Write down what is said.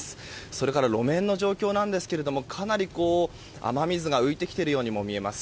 それから路面の状況なんですけどかなり雨水が浮いてきているようにも見えます。